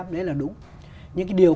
tám đấy là đúng những cái điều